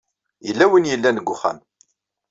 Yella win i yellan deg uxxam.